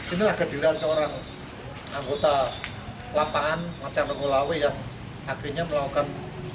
inilah kejirahan seorang anggota lapangan macang nenggolawe yang akhirnya melakukan